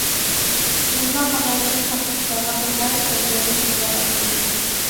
ئىملا خاتالىقىنى تاپقۇچىلارغا بىر ھەرپ بىر يۈەندىن مۇكاپاتلىنىدۇ.